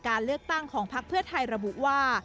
การเลือกตั้งของพักเพื่อไทยระบุว่า